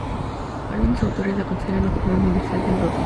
Algunos autores la consideran la primera universidad europea.